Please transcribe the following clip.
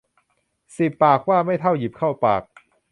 สิบปากว่าไม่เท่าหยิบเข้าปาก